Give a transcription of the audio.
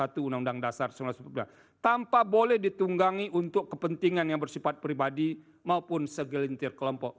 tanpa boleh ditunggangi untuk kepentingan yang bersifat pribadi maupun segelintir kelompok